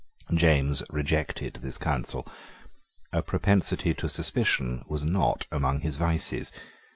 James rejected this counsel. A propensity to suspicion was not among his vices.